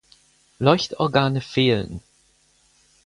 Leuchtorgane fehlen.